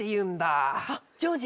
あっジョージ。